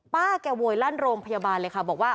แกโวยลั่นโรงพยาบาลเลยค่ะบอกว่า